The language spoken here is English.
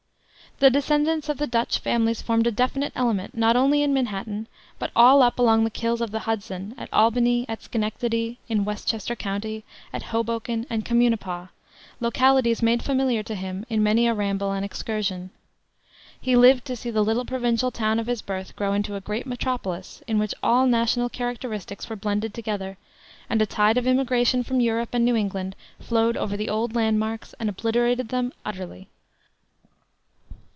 The descendants of the Dutch families formed a definite element not only in Manhattan, but all up along the kills of the Hudson, at Albany, at Schenectady, in Westchester County, at Hoboken, and Communipaw, localities made familiar to him in many a ramble and excursion. He lived to see the little provincial town of his birth grow into a great metropolis, in which all national characteristics were blended together, and a tide of immigration from Europe and New England flowed over the old landmarks and obliterated them utterly.